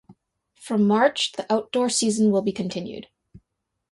From March the outdoor season will be continued.